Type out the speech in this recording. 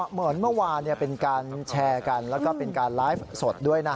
เหมือนเมื่อวานเป็นการแชร์กันแล้วก็เป็นการไลฟ์สดด้วยนะ